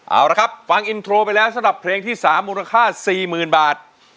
เอาละครับฟังอินโทรไปแล้วสำหรับเพลงที่๓มูลค่า๔๐๐๐บาท